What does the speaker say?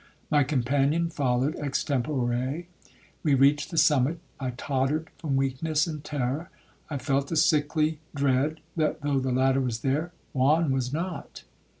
My companion followed extempore. We reached the summit,—I tottered from weakness and terror. I felt a sickly dread, that, though the ladder was there, Juan was not.